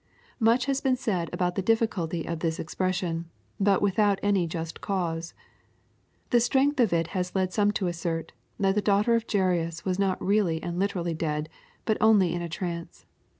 ] Much has been said about the difficulty of this expression, but without any just cause. The strength of it has led some to assert, that the daughter of Jairus was not really and literally dead, but only in a trance.